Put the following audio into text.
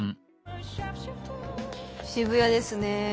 渋谷ですね。